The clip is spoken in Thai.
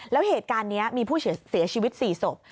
แล้วเหตุการณ์นี้มีผู้เสียชีวิต๔ศพ